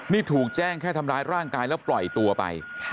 นี่ถูกแจ้งแค่ทำร้ายร่างกายแล้วปล่อยตัวไป